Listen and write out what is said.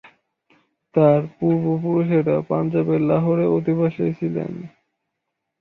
তার পূর্বপুরুষেরা পাঞ্জাবের লাহোরের অধিবাসী ছিলেন।